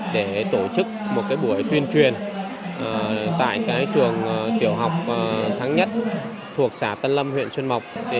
để tổ chức một buổi tuyên truyền tại trường tiểu học tháng nhất thuộc xã tân lâm huyện xuyên mộc